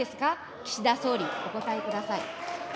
岸田総理、お答えください。